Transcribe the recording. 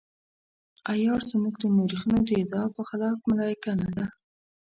عیار زموږ د مورخینو د ادعا په خلاف ملایکه نه ده.